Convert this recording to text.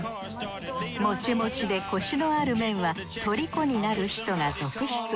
モチモチでコシのある麺はとりこになる人が続出。